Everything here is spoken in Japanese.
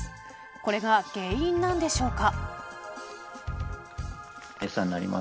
これが原因なのでしょうか。